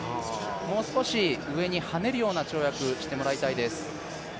もう少し上に跳ねるような跳躍をしてもらいたいです。